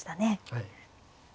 はい。